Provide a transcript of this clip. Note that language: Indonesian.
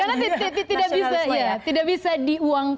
karena tidak bisa diunggah karena tidak bisa diunggah